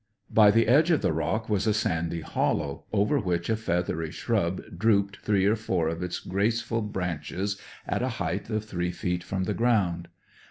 By the edge of the rock was a sandy hollow, over which a feathery shrub drooped three or four of its graceful branches at a height of three feet from the ground.